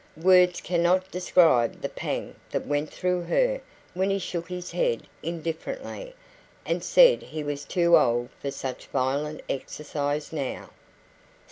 Words cannot describe the pang that went through her when he shook his head indifferently, and said he was too old for such violent exercise now.